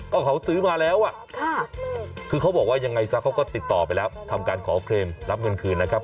ก็เขาซื้อมาแล้วคือเขาบอกว่ายังไงซะเขาก็ติดต่อไปแล้วทำการขอเครมรับเงินคืนนะครับ